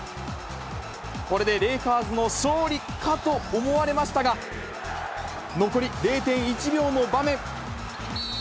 これでレイカーズの勝利かと思われましたが、残り０．１秒の場面。